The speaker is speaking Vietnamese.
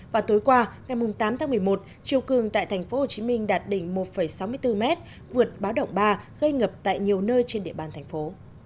và tối qua ngày tám tháng một mươi một chiều cường tại tp hcm đạt đỉnh một sáu mươi bốn m vượt báo động ba gây ngập tại nhiều nơi trên địa bàn thành phố